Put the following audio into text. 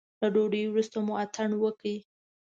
له ډوډۍ وروسته مو اتڼ وکړ.